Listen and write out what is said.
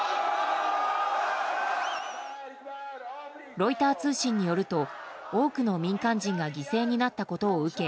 ロイター通信によると多くの民間人が犠牲になったことを受け